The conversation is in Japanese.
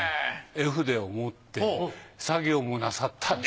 絵筆を持って作業もなさった。